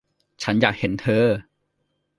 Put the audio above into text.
ฉันอยากเห็นเธอ